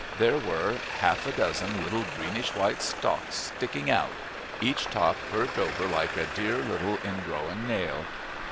There were half a dozen little greenish white stalks sticking out, each top curved over like a dear little ingrowing nail.